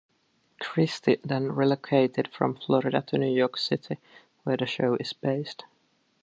Christy then relocated from Florida to New York City, where the show is based.